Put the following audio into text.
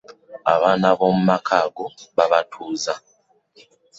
Abaana b'omu maka ago baabatuuza.